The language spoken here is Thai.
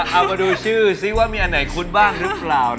เอามาดูชื่อซิว่ามีอันไหนคุ้นบ้างหรือเปล่า